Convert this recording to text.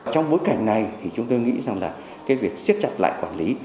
trong bối cảnh này thì chúng tôi nghĩ rằng là cái việc siết chặt lại quản lý